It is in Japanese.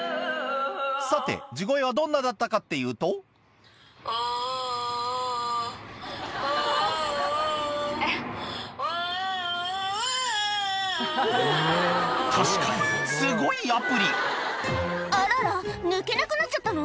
さて地声はどんなだったかっていうと確かにすごいアプリあらら抜けなくなっちゃったの？